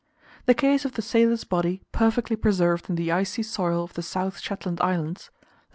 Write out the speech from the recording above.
The case of the sailor's body perfectly preserved in the icy soil of the South Shetland Islands (lat.